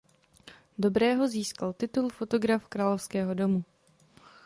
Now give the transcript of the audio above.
Dobrého získal titul "Fotograf královského domu".